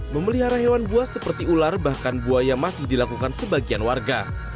memelihara hewan buas seperti ular bahkan buaya masih dilakukan sebagian warga